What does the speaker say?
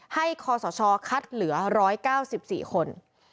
ให้คสชคัดเหลือ๑๙๔คน